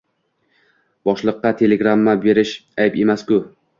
Boshliqqa telegramma berish ayb emas-ku?